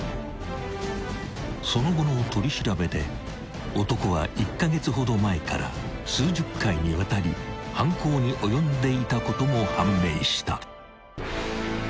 ［その後の取り調べで男は１カ月ほど前から数十回にわたり犯行に及んでいたことも判明した］